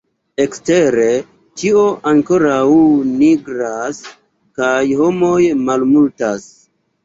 Ekstere, ĉio ankoraŭ nigras, kaj homoj malmultas.